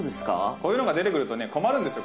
こういうのが出て来るとね困るんですよ